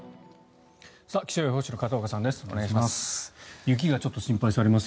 気象予報士の片岡さんです